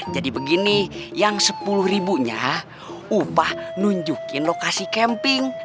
jadi begini yang sepuluh ribunya upah nunjukin lokasi camping